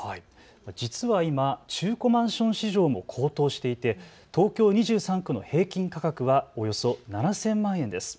実は今、中古マンション市場も高騰していて東京２３区の平均価格はおよそ７０００万円です。